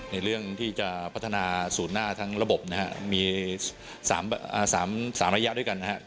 ในเรื่องที่จะพัฒนาศูนย์หน้าทั้งระบบนะครับมี๓ระยะด้วยกันนะครับ